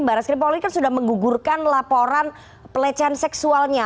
mbak reskrim pak woli kan sudah menggugurkan laporan pelecehan seksualnya